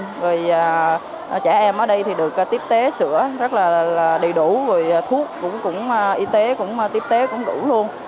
thì trẻ em ở đây thì được tiếp tế sửa rất là đầy đủ rồi thuốc cũng cũng y tế cũng tiếp tế cũng đủ luôn